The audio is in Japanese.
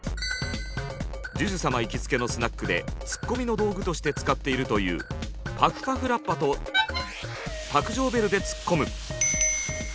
ＪＵＪＵ様行きつけのスナックでツッコミの道具として使っているというパフパフラッパと卓上ベルでツッコむ。